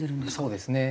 そうですね。